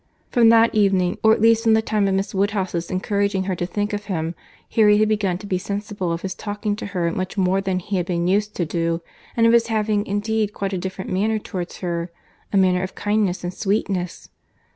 From that evening, or at least from the time of Miss Woodhouse's encouraging her to think of him, Harriet had begun to be sensible of his talking to her much more than he had been used to do, and of his having indeed quite a different manner towards her; a manner of kindness and sweetness!